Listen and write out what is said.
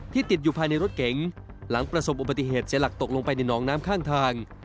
ที่ติดอยู่ภายในรถเก๋งหลังผสมอุปัติเหตุภายลักษณ์ตกลงไปนี่หนองน้ำข้างทาง